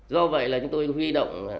do vậy là chúng tôi huy động